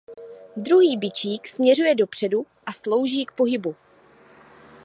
Druhý bičík směřuje dopředu a slouží k pohybu.